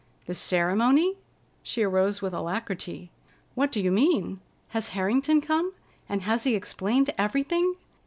"The ceremony?" She arose with alacrity. "What do you mean? Has Harrington come, and has he explained everything?